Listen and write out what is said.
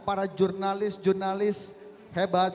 para jurnalis jurnalis hebat